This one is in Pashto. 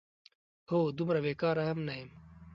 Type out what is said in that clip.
هو، دومره بېکاره هم نه یم؟!